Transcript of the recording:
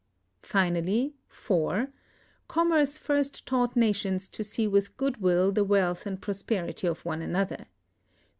Finally, (4) commerce first taught nations to see with goodwill the wealth and prosperity of one another.